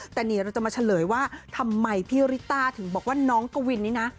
แต่นี่เราจะมาเฉลยว่าทำไมพี่ริต้าถึงบอกว่าน้องกวินนี้นะ